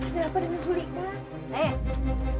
ada apa dengan sulika